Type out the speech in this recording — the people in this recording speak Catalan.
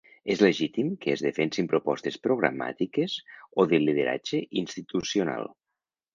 És legítim que es defensin propostes programàtiques o de lideratge institucional.